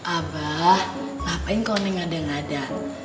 abah ngapain kalo neng ada ada